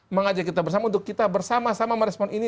mengajak kita bersama untuk kita bersama sama merespon ini